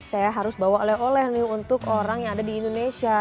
saya harus bawa oleh oleh nih untuk orang yang ada di indonesia